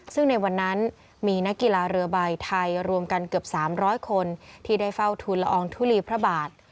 ซึ่งในวันนั้นมีนักกีฬาเรือใบไทยรวมกันเกือบ๓๐๐คนที่ได้เฝ้าทุนละอองทุลีพระบาท